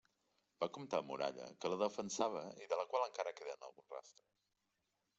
Va comptar amb muralla que la defensava i de la qual encara queden alguns rastres.